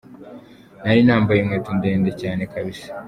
Nari nambaye inkweto ndende cyane kabisa….